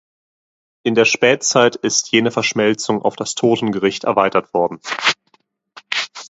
In der Spätzeit ist jene Verschmelzung auf das Totengericht erweitert worden.